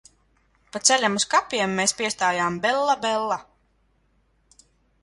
Pa ceļam uz kapiem mēs piestājām "Bella Bella".